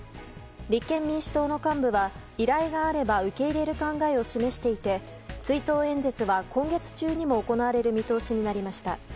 立憲民主党の幹部は依頼があれば受け入れる考えを示していて追悼演説は今月中にも行われる見通しになりました